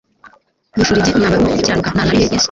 yifurebye umwambaro wo gukiranuka. Nta na rimwe Yesu,